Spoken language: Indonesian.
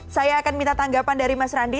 saya akan minta tanggapan dari mas randi